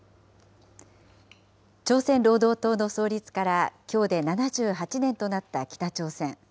朝鮮労働党の創立から、きょうで７８年となった北朝鮮。